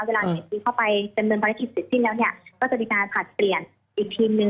เวลาหน่วยซิลเข้าไปเต็มเงินภารกิจสุดสิ้นแล้วเนี้ยก็จะมีการผ่านเปลี่ยนอีกทีมนึง